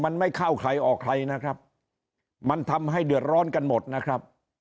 มันไม่เข้าใครออกใครนะครับมันทำให้เดือดร้อนกันหมดนะครับ